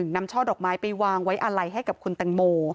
ช่อดอกไม้ไปวางไว้อะไรให้กับคุณแตงโม